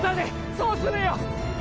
そうするよ